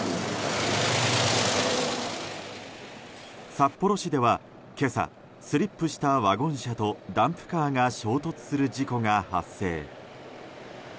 札幌市では今朝、スリップしたワゴン車とダンプカーが衝突する事故が発生。